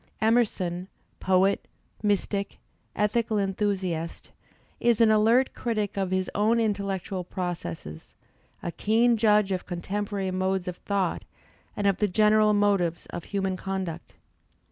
Emerson, poet» mystic, ethical enthusiast, is an alert critic of his own intellectual processes, a keen judge of contem porary modes of thought and of the general motives of human conduct.